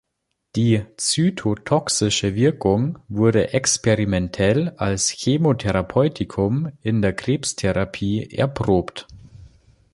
Die zytotoxische Wirkung wurde experimentell als Chemotherapeutikum in der Krebstherapie erprobt.